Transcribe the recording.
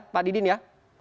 pak didin ya